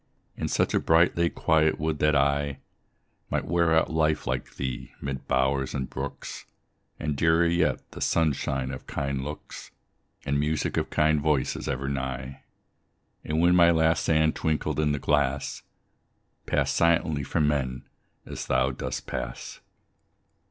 In such a bright, late quiet, would that I Might wear out life like thee, mid bowers and brooks, And, dearer yet, the sunshine of kind looks, And music of kind voices ever nigh; And when my last sand twinkled in the glass, Pass silently from men, as thou dost pass.